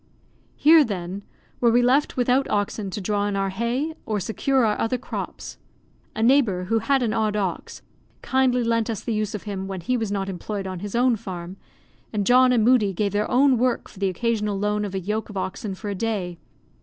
Here, then, were we left without oxen to draw in our hay, or secure our other crops. A neighbour, who had an odd ox, kindly lent us the use of him, when he was not employed on his own farm; and John and Moodie gave their own work for the occasional loan of a yoke of oxen for a day.